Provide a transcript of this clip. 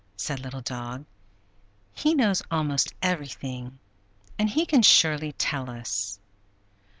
said Little Dog. "He knows almost everything, and he can surely tell us."